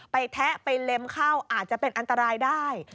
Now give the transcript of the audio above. แทะไปเล็มเข้าอาจจะเป็นอันตรายได้